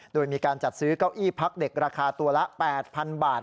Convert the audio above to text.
โดยมีการจัดซื้อเก้าอี้พักเด็กราคาตัวละ๘๐๐๐บาท